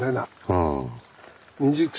うん。